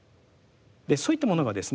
そういったものがですね